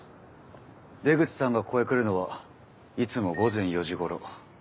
出口さんがここへ来るのはいつも午前４時ごろ。